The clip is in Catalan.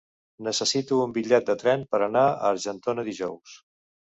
Necessito un bitllet de tren per anar a Argentona dijous.